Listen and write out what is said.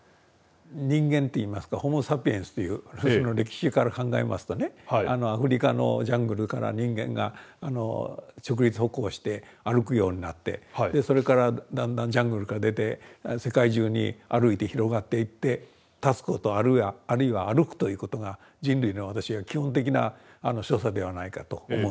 人間っていいますかホモサピエンスというその歴史から考えますとねアフリカのジャングルから人間が直立歩行して歩くようになってそれからだんだんジャングルから出て世界中に歩いて広がっていって立つことあるいは歩くということが人類の私は基本的な所作ではないかと思うんですけど。